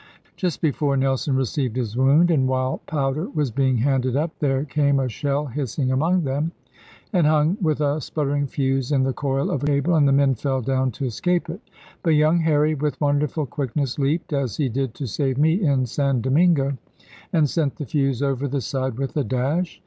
Just before Nelson received his wound, and while powder was being handed up, there came a shell hissing among them, and hung with a sputtering fuse in the coil of a cable, and the men fell down to escape it. But young Harry with wonderful quickness leaped (as he did, to save me in San Domingo), and sent the fuse over the side with a dash.